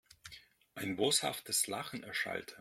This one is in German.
Ein boshaftes Lachen erschallte.